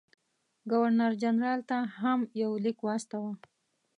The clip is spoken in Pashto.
ګورنر جنرال ته هم یو لیک واستاوه.